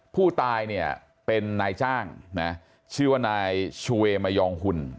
ผู้ตายเนี่ยเป็นนายจ้างนะชื่อว่านายชูเวมยองหุ่น